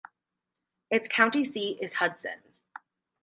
Its county seat is Hudson.